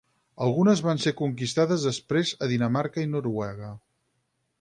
Algunes van ser conquistades després a Dinamarca i Noruega.